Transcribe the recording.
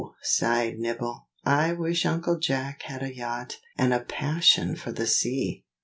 sighed Nibble, "I wish Uncle Jack had a yacht, and a passion for the sea!"